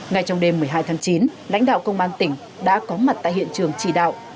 ngay trong đêm một mươi hai tháng chín lãnh đạo công an tỉnh đã có mặt tại hiện trường chỉ đạo